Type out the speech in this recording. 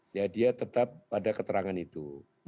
ya dia tetap pada keterangan itu